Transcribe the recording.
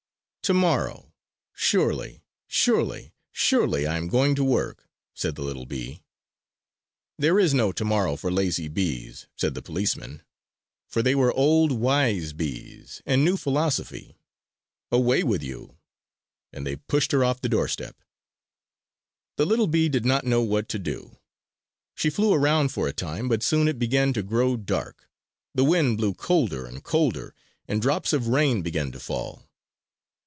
"Tomorrow, surely, surely, surely, I am going to work," said the little bee. "There is no tomorrow for lazy bees," said the policemen; for they were old, wise bees, and knew philosophy. "Away with you!" And they pushed her off the doorstep. The little bee did not know what to do. She flew around for a time; but soon it began to grow dark; the wind blew colder and colder, and drops of rain began to fall.